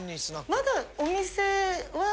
まだお店は。